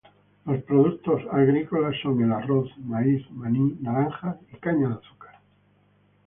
Los productos agrícolas son el arroz, maíz, maní, naranjas y caña de azúcar.